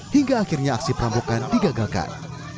hingga akhirnya aksi perampokan digagalkan